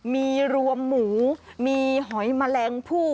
มีรวมหมูมีหอยแมลงผู้